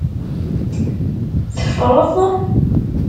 Teffreḍ?